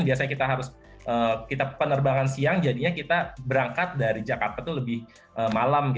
biasanya kita harus kita penerbangan siang jadinya kita berangkat dari jakarta itu lebih malam